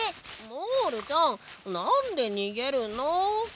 モールちゃんなんでにげるの。